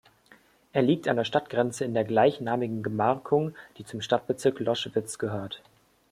Er liegt an der Stadtgrenze in der gleichnamigen Gemarkung, die zum Stadtbezirk Loschwitz gehört.